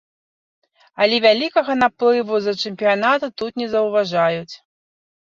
Але вялікага наплыву з-за чэмпіянату тут не заўважаюць.